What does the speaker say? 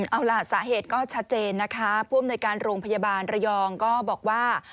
เอาล่ะสาเหตุก็ชัดเจนนะคะผู้อำนวยการโรงพยาบาลระยองก็บอกว่า